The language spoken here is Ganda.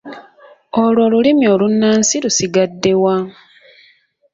Olwo olulimi olunnansi lusigadde wa?